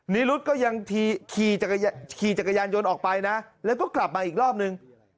นิรุธก็ยังขี่จักรยานยนต์ออกไปนะแล้วก็กลับมาอีกรอบนึง